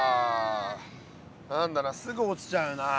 何だかすぐ落ちちゃうな。